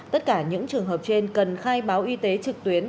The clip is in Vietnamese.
tất cả những trường hợp trên cần khai báo y tế trực tuyến